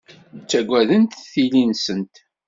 Ttaggadent tili-nsent.